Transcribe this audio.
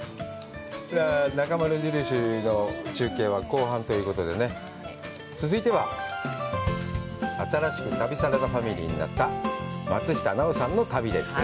なかまる印の中継は後半ということでね、続いては、新しく旅サラダファミリーになった松下奈緒さんの旅です。